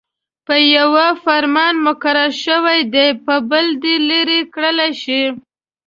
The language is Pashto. په يوه فرمان مقرر شوي دې په بل دې لیرې کړل شي.